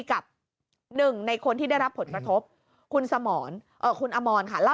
กับหนึ่งในคนที่ได้รับผลกระทบคุณสมรคุณอมรค่ะเล่า